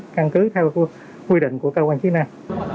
căn cứ theo quy định của cơ quan chức năng